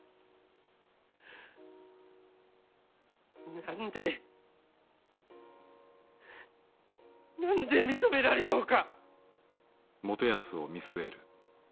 何で何で認められようか！